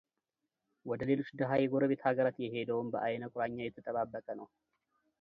ወደሌሎች ድሃ የጎረቤት ሀገራት የሄደውም በዐይነ ቁራኛ እየተጠባበቀ ነው።